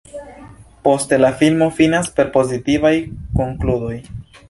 Poste la filmo finas per pozitivaj konkludoj.